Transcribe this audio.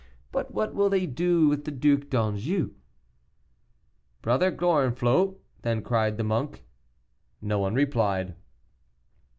But what will they do with the Duc d'Anjou?" "Brother Gorenflot," then cried the monk. No one replied.